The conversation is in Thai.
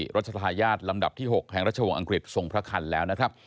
รัชธาญาติลำดับที่๖แห่งราชวงศ์อังกฤษทรงพระคันแล้วนะครับ